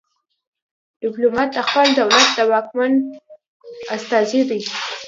ډیپلومات د خپل دولت د واکمن استازی دی